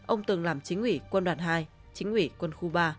ông từng làm chính quỷ quân đoàn hai chính quỷ quân khu ba